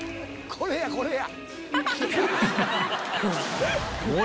これやこれや。